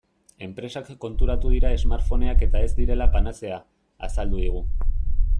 Enpresak konturatu dira smartphoneak-eta ez direla panazea, azaldu digu.